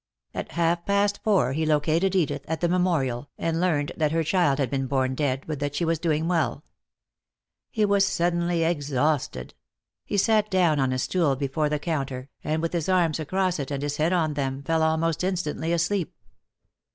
At half past four he located Edith at the Memorial, and learned that her child had been born dead, but that she was doing well. He was suddenly exhausted; he sat down on a stool before the counter, and with his arms across it and his head on them, fell almost instantly asleep.